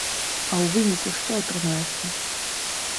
А ў выніку што атрымаецца?